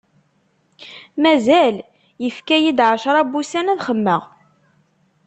Mazal! Yefka-yi-d ɛecra n wussan ad xemmeɣ.